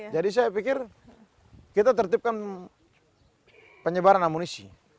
jadi saya pikir kita tertipkan penyebaran amunisi